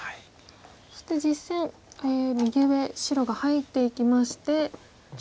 そして実戦右上白が入っていきまして。